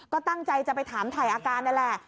ก็ตั้งใจจะไปถามถ่ายอาการนั่นแหละ